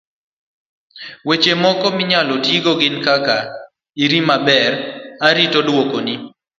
weche moko minyalo tigo gin kaka; iri maber, arito duoko ni